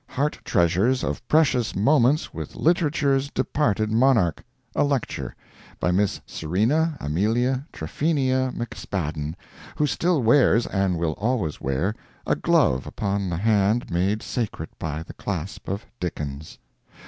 "Heart Treasures of Precious Moments with Literature's Departed Monarch." A lecture. By Miss Serena Amelia Tryphenia McSpadden, who still wears, and will always wear, a glove upon the hand made sacred by the clasp of Dickens.